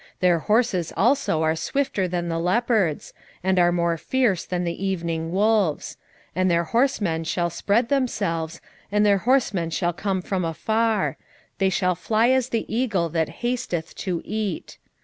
1:8 Their horses also are swifter than the leopards, and are more fierce than the evening wolves: and their horsemen shall spread themselves, and their horsemen shall come from far; they shall fly as the eagle that hasteth to eat.